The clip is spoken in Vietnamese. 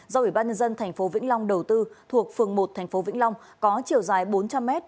do ủy ban nhân dân tp vĩnh long đầu tư thuộc phường một thành phố vĩnh long có chiều dài bốn trăm linh m